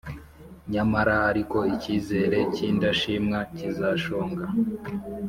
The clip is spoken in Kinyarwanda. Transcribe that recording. Nyamara ariko, icyizere cy’indashima kizashonga